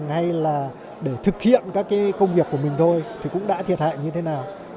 hay là để thực hiện các cái công việc của mình thôi thì cũng đã thiệt hại như thế nào